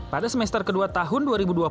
pada semester kedua tahun dua ribu dua puluh